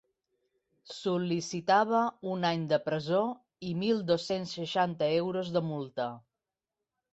Sol·licitava un any de presó i mil dos-cents seixanta euros de multa.